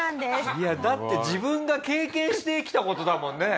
いやだって自分が経験してきた事だもんね。